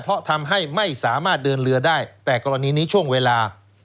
เพราะทำให้ไม่สามารถเดินเรือได้แต่กรณีนี้ช่วงเวลา